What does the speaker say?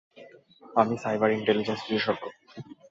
আমি cyber intelligence বিশেষজ্ঞ।